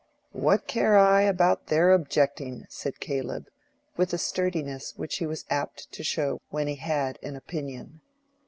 "What care I about their objecting?" said Caleb, with a sturdiness which he was apt to show when he had an opinion.